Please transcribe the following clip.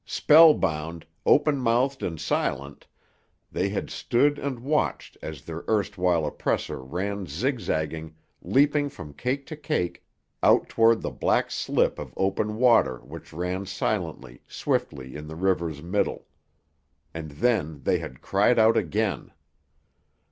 Spellbound, open mouthed and silent, they had stood and watched as their erstwhile oppressor ran zigzagging, leaping from cake to cake, out toward the black slip of open water which ran silently, swiftly in the river's middle. And then they had cried out again.